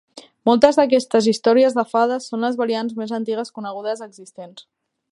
Moltes d'aquestes històries de fades són les variants més antigues conegudes existents.